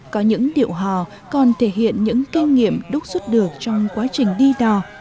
có những điệu hò còn thể hiện những kinh nghiệm đúc xuất được trong quá trình đi đò